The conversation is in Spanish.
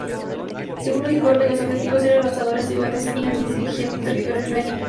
Según los informes, los objetivos eran lanzadores de cohetes iraníes dirigidos al territorio israelí.